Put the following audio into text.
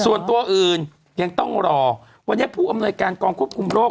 ส่วนตัวอื่นยังต้องรอวันนี้ผู้อำนวยการกองควบคุมโรค